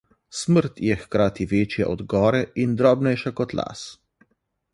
Smrt je hkrati večja od gore in drobnejša kot las.